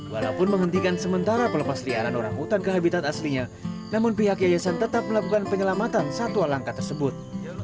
walaupun menghentikan sementara pelepas liaran orang hutan ke habitat aslinya namun pihak yayasan tetap melakukan penyelamatan satwa langka tersebut